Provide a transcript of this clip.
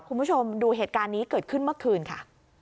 คุณผู้ชมดูเหตุการณ์นี้เกิดขึ้นเมื่อคืนค่ะ